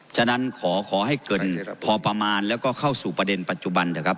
ฉะนั้นขอให้เกินพอประมาณและเข้าสู่ประเด็นปัจจุบัน